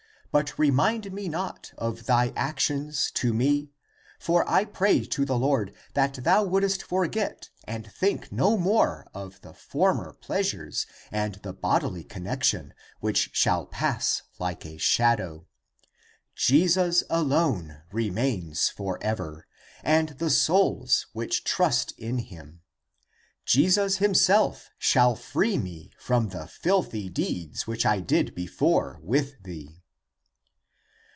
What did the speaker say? But remind me not of thy actions to me. For I pray to the Lord that thou wouldest forget and think no more of the former pleasures and the bodily con nection, which shall pass like a shadow, Jesus alone remains forever, and the souls which trust in him. Jesus himself shall free me from the filthy deeds which I did before with thee."